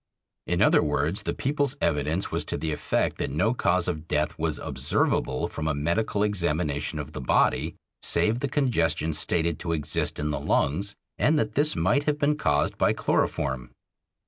In other words, the People's evidence was to the effect that no cause of death was observable from a medical examination of the body save the congestion stated to exist in the lungs, and that this might have been caused by chloroform.